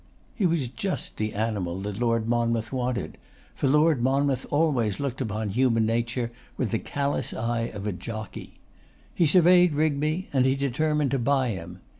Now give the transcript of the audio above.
He was just the animal that Lord Monmouth wanted, for Lord Monmouth always looked upon human nature with the callous eye of a jockey. He surveyed Rigby; and he determined to buy him.